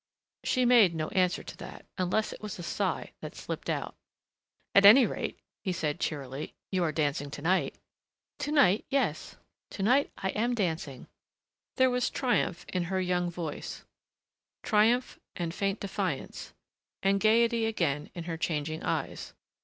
She made no answer to that unless it was a sigh that slipped out. "At any rate," he said cheerily, "you are dancing to night." "To night yes, to night I am dancing!" There was triumph in her young voice, triumph and faint defiance, and gayety again in her changing eyes.